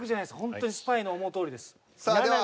ほんとにスパイの思うとおりです。